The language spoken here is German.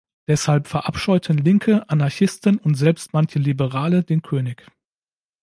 Deshalb verabscheuten Linke, Anarchisten und selbst manche Liberale den König.